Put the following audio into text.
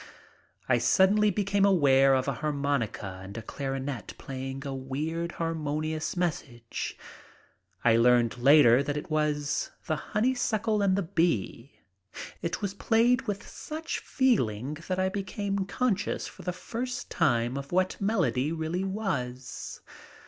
I suddenly became aware of a harmonica and a clarinet playing a weird, harmonious message. I learned later that it was "The Honeysuckle and the Bee." It was played with such feeling that I became conscious for the first time of what melody really was.